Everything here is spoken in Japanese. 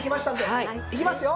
いきますよ。